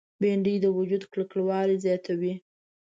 بېنډۍ د وجود کلکوالی زیاتوي